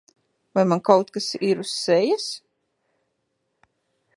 Vai man kaut kas ir uz sejas?